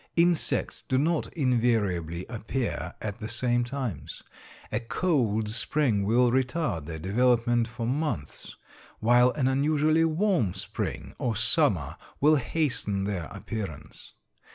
Insects do not invariably appear at the same times. A cold spring will retard their development for months, while an unusually warm spring or summer will hasten their appearance.